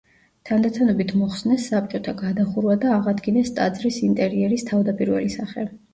თანდათანობით მოხსნეს საბჭოთა გადახურვა და აღადგინეს ტაძრის ინტერიერის თავდაპირველი სახე.